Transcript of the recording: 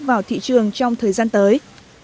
vào thị trường trong thời gian tới